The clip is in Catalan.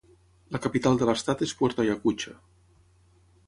La capital de l'estat és Puerto Ayacucho.